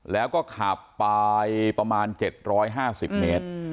แล้วก็ขับไปประมาณเจ็ดร้อยห้าสิบเมตร